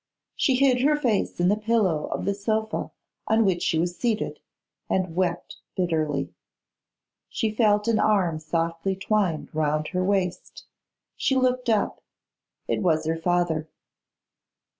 She hid her face in the pillow of the sofa on which she was seated, and wept bitterly. She felt an arm softly twined round her waist; she looked up; it was her father.